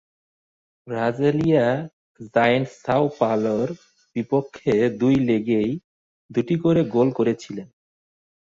ব্রাজিলীয় giant Sao পাওলোর বিপক্ষে দুই লেগেই দুটি করে গোল করেছিলেন।